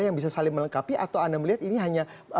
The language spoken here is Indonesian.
yang bisa saling melengkapi atau anda melihat ini hanya